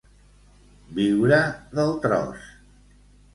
Viure del tros.